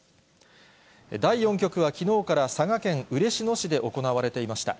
第４局はきのうから佐賀県嬉野市で行われていました。